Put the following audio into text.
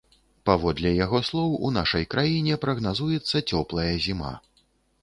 Паводле яго слоў, у нашай краіне прагназуецца цёплая зіма.